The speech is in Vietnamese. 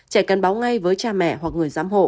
trẻ cần báo ngay với cha mẹ hoặc người giám hộ